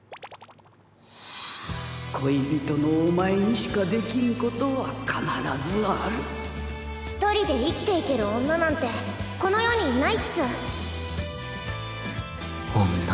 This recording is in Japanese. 恋人のお前にしかできんことは一人で生きていける女なんてこの世にいないい